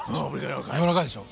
柔らかいでしょ？